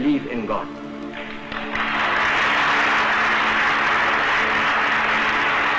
ini adalah pertama